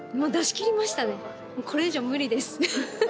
これ以上無理です。